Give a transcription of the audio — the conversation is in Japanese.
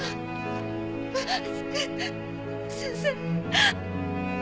先生。